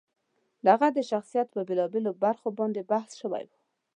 د هغه د شخصیت په بېلا بېلو برخو باندې بحث شوی و.